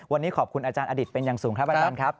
วันนี้ขอบคุณอาจารย์อดิษฐ์เป็นอย่างสูงครับอาจารย์ครับ